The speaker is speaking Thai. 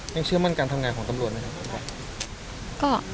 ยังเชื่อมั่นการทำงานของตำรวจไหมครับ